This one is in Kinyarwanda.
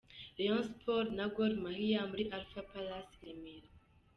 Rayon Sports na Gor Mahia muri Alpha Palace i Remera.